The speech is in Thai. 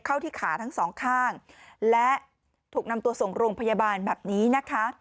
ที่ขาทั้งสองข้างและถูกนำตัวส่งโรงพยาบาลแบบนี้นะคะ